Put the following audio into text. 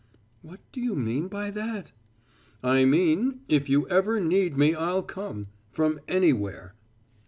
"What do you mean by that?" "I mean if you ever need me I'll come from anywhere."